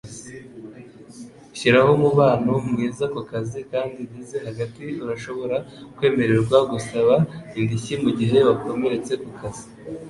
Shiraho umubano mwiza kukazi kandi ugeze hagati Urashobora kwemererwa gusaba indishyi mugihe wakomeretse kukazi